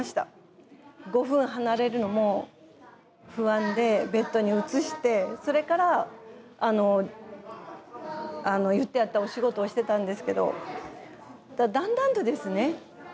５分離れるのも不安でベッドに移してそれからいってあったお仕事をしてたんですけどだんだんとですね